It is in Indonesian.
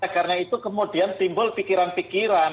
karena itu kemudian timbul pikiran pikiran